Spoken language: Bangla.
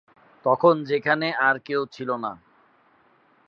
তখন সেখানে আর কেউ ছিল না।